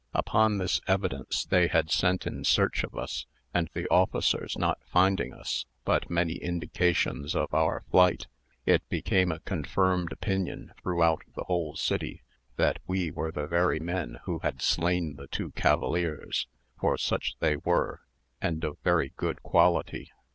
Upon this evidence they had sent in search of us; and the officers not finding us, but many indications of our flight, it became a confirmed opinion throughout the whole city, that we were the very men who had slain the two cavaliers, for such they were, and of very good quality.